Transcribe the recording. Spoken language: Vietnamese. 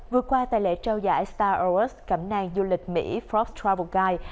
vừa qua tại lễ trao giải star awards cẩm nàng du lịch mỹ forbes travel guide